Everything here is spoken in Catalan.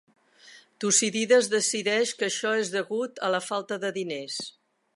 Tucídides decideix que això és degut a la falta de diners.